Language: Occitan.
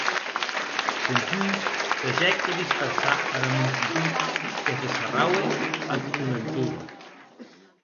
Dempús sagèc de dispersar ara multitud que se sarraue ath sòn entorn.